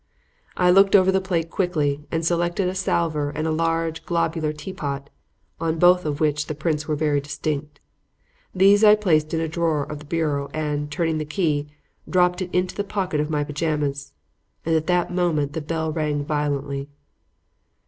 "I looked over the plate quickly and selected a salver and a large, globular teapot, on both of which the prints were very distinct. These I placed in a drawer of the bureau, and, turning the key, dropped it into the pocket of my pajamas. And at that moment the bell rang violently.